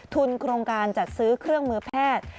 โครงการจัดซื้อเครื่องมือแพทย์